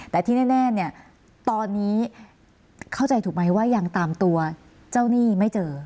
แต่ที่แน่เนี่ยตอนนี้เข้าใจถูกไหมว่ายังตามตัวเจ้าหนี้ไม่เจอ